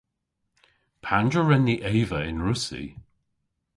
Pandr'a wren ni eva yn Russi?